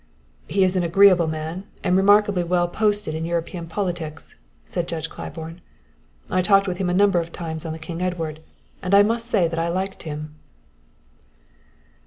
"He is an agreeable man and remarkably well posted in European politics," said Judge Claiborne. "I talked with him a number of times on the King Edward and must say that I liked him."